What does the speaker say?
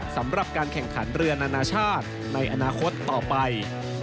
สำหรับการแข่งขันเรือนานาชาติในอนาคตต่อไป